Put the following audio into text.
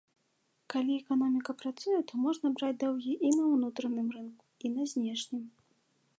Калі эканоміка працуе, то можна браць даўгі і на ўнутраным рынку, і на знешнім.